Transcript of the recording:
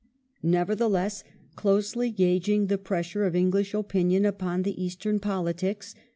Nevertheless, closely gauging the pressure of English opinion upon the Eastern politics.